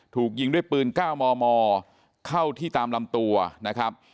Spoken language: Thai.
ถูกยิงด้วยปืน๙มมเข้าที่ตามลำตัวนะครับ